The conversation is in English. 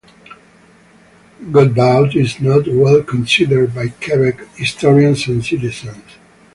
Godbout is not well-considered by Quebec historians and citizens.